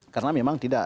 karena memang tidak